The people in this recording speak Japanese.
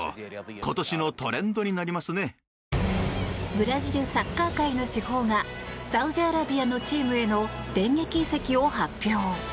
ブラジルサッカー界の至宝がサウジアラビアのチームへの電撃移籍を発表。